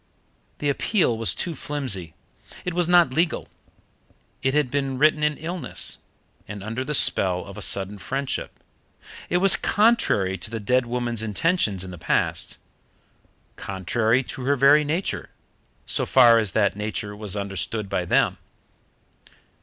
The appeal was too flimsy. It was not legal; it had been written in illness, and under the spell of a sudden friendship; it was contrary to the dead woman's intentions in the past, contrary to her very nature, so far as that nature was understood by them.